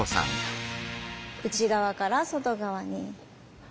内側から外側に。